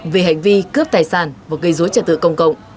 vì hành vi cướp tài sản và gây dối trả tự công cộng